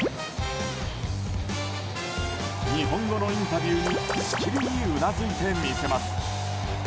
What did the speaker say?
日本語のインタビューにしきりにうなずいてみせます。